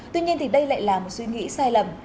tuy nhiên thì đây lại là một suy nghĩ sai lầm